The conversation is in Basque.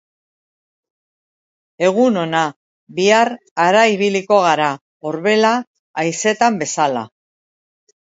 Egun hona, bihar hara ibiliko gara; orbela haizetan bezala.